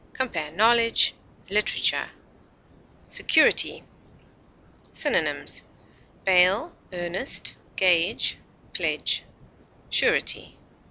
Compare KNOWLEDGE; LITERATURE. SECURITY. Synonyms: bail, earnest, gage, pledge, surety.